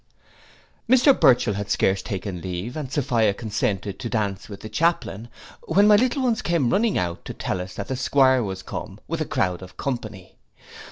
Mr Burchell had scarce taken leave, and Sophia consented to dance with the chaplain, when my little ones came running out to tell us that the 'Squire was come, with a crowd of company.